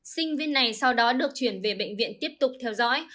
sinh viên này sau đó được chuyển về bệnh viện tiếp tục theo dõi